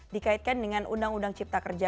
dikaitkan dengan undang undang cipta kerja